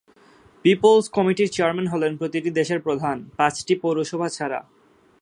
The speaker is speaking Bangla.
পিপলস কমিটির চেয়ারম্যান হলেন প্রতিটি প্রদেশের প্রধান, পাঁচটি পৌরসভা ছাড়া।